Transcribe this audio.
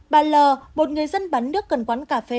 bà l một người dân bán nước cần quán cà phê